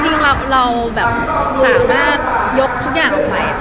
จริงเราแบบสามารถยกทุกอย่างออกไป